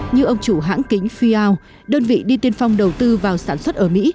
như ông chủ hãng kính fiao đơn vị đi tiên phong đầu tư vào sản xuất ở mỹ